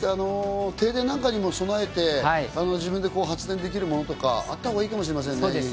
停電なんかにも備えて、自分で発電できるものとかあったほうがいいかもしれませんね。